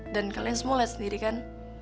dan kalian semua lihat sendiri kan